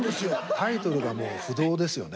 タイトルがもう不動ですよね。